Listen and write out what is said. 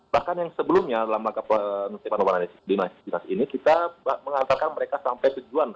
bahkan yang sebelumnya dalam langkah penelitian rumah dinas ini kita mengantarkan mereka sampai tujuan